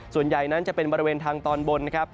ส่วนใหญ่นั้นจะเป็นบริเวณทางตอนบนนะครับ